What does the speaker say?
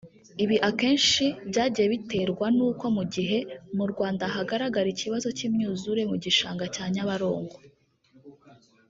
Ibi akenshi byagiye biterwa n’uko mu gihe mu Rwanda hagaragara ikibazo cy’imyuzure mu gishanga cya Nyabarongo